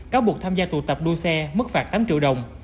cáo buộc tham gia tụ tập đua xe mức phạt tám triệu đồng